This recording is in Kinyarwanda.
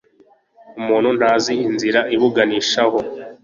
umuntu ntazi inzira ibuganishaho